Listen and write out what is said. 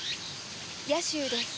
野州です。